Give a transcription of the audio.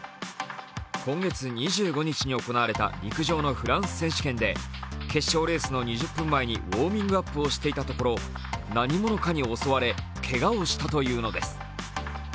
今月２５日に行われた陸上のフランス選手権で決勝レースの２０分前にウォーミングアップをしていたところ、何者かに襲われ、けがをしたというのです。